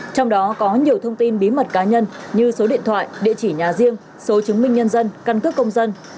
trong đó có nhiều thông tin bí mật cá nhân như số điện thoại địa chỉ nhà riêng số chứng minh nhân dân căn cước công dân